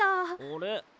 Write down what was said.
あれ？